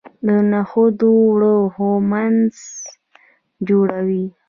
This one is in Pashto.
د نخودو اوړه هومس جوړوي.